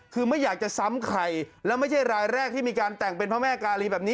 คือไม่อยากจะซ้ำใครแล้วไม่ใช่รายแรกที่มีการแต่งเป็นพระแม่กาลีแบบนี้